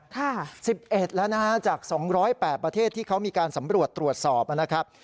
ค่ะ๑๑แล้วนะฮะจาก๒๐๘ประเทศที่เขามีการสำรวจตรวจสอบนะครับ